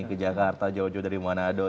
ke jakarta jauh jauh dari manado